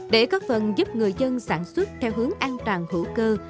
để có phần giúp người dân sản xuất theo hướng an toàn hữu cơ